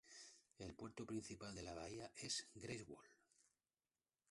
El puerto principal de la bahía es Greifswald.